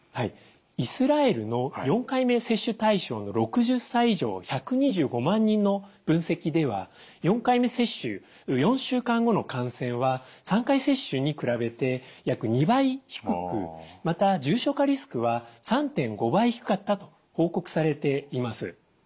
イスラエルの４回目接種対象の６０歳以上１２５万人の分析では４回目接種４週間後の感染は３回接種に比べて約２倍低くまた重症化リスクは３．５倍低かったと報告されています。